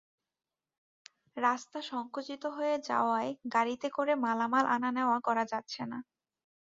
রাস্তা সংকুচিত হয়ে যাওয়ায় গাড়িতে করে মালামাল আনা-নেওয়া করা যাচ্ছে না।